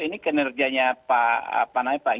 ini kinerjanya pak